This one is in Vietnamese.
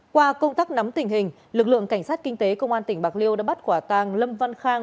qua công tác nắm tình hình lực lượng cảnh sát kinh tế công an tỉnh bạc liêu đã bắt quả tàng lâm văn khang